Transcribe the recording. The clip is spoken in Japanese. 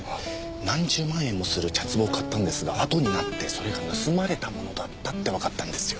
何十万円もする茶壷を買ったんですがあとになってそれが盗まれたものだったってわかったんですよ。